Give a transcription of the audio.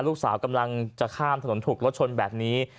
ลูกสาวกำลังจะข้ามถนนถูกรถชนแบบนี้